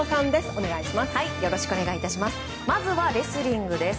お願いします。